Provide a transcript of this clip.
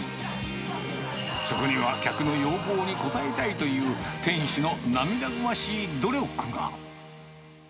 そこには客の要望に応えたいという、店主の涙ぐましい努力が。